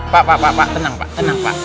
pak pak pak tenang pak tenang pak